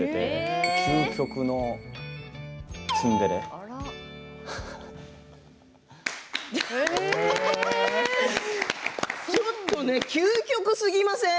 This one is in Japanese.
その時はちょっとね究極すぎません。